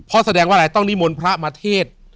เพราะแสดงว่าอะไรต้องนิมนต์พระมาเทศ